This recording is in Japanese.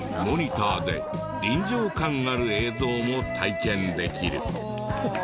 モニターで臨場感ある映像も体験できる。